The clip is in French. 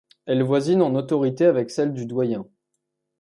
Elle voisine en autorité avec celle du doyen.